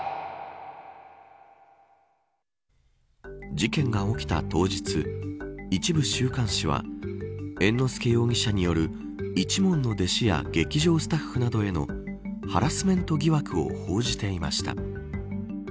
事件が起きた当日一部週刊誌は猿之助容疑者による一門の弟子や劇場スタッフなどへのハラスメント疑惑を報じていました。